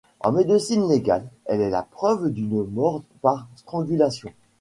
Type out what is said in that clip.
En médecine légale, elle est la preuve d'une mort par strangulation.